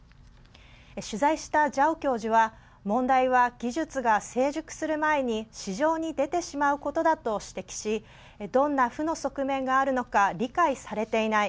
取材したジャオ教授は問題は技術が成熟する前に市場に出てしまうことだと指摘しどんな負の側面があるのか理解されていない。